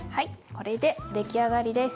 これで出来上がりです。